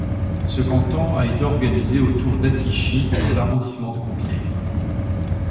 Ce canton a été organisé autour d'Attichy dans l'arrondissement de Compiègne.